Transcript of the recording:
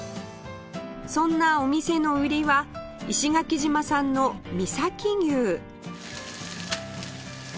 そんなお店の売りは石垣島産の美崎牛